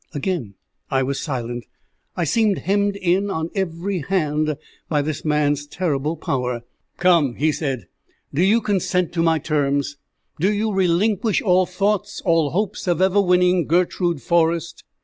Again I was silent. I seemed hemmed in on every hand by this man's terrible power. "Come," he said, "do you consent to my terms? Do you relinquish all thoughts, all hopes, of ever winning Gertrude Forrest?"